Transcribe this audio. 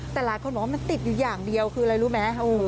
แต่หลายคนบอกว่ามันติดอยู่อย่างเดียวคืออะไรรู้ไหม